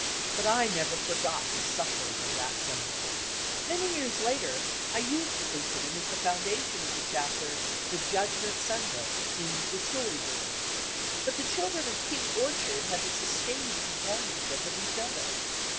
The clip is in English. But I never forgot the suffering of that Sunday. Many years later I used the incident as the foundation of the chapter "The Judgment Sunday" in The Story Girl. But the children of King Orchard had the sustaining com panionship of each other.